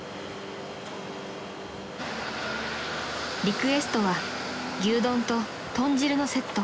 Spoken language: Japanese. ［リクエストは牛丼と豚汁のセット］